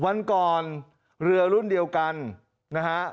วันก่อนเรือรุ่นเดียวกันนะฮะ